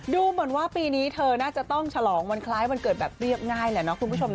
ดูเหมือนว่าปีนี้เธอน่าจะต้องฉลองวันคล้ายวันเกิดแบบเรียบง่ายแหละเนาะคุณผู้ชมนะ